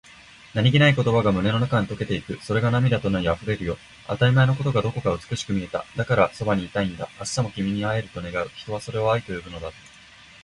何気ない言葉が胸の中に溶けていく。それが涙となり、溢れるよ。当たり前のことがどこか美しく見えた。だから、そばにいたいんだ。明日も君に会えると願う、人はそれを愛と呼ぶのだろう。